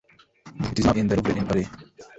It is now in the Louvre in Paris.